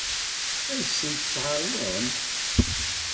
Ad sen-tt-tɛeṛḍem?